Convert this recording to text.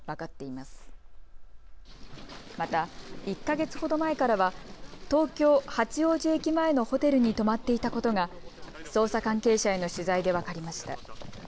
また、１か月ほど前からは東京八王子駅前のホテルに泊まっていたことが捜査関係者への取材で分かりました。